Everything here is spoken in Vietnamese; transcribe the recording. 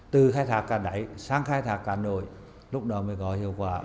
từ khai thác cả đáy sang khai thác cả nổi lúc đó mới có hiệu quả